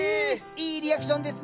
いいリアクションですね。